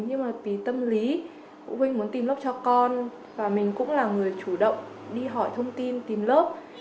khi cũng có căng ngăn mình nhưng vì tâm lý họ muốn tìm lớp cho con và mình cũng là một người chủ động đi hỏi thông tin tìm lớp